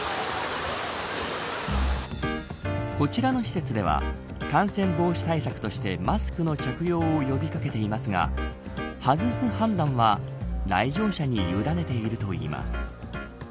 こちらの施設では感染防止対策としてマスクの着用を呼び掛けていますが外す判断は来場者に委ねているといいます。